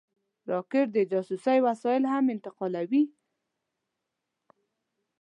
راکټ د جاسوسۍ وسایل هم انتقالوي